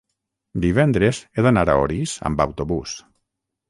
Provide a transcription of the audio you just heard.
divendres he d'anar a Orís amb autobús.